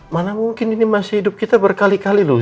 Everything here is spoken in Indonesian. mana mungkin ini masih hidup kita berkali kali loh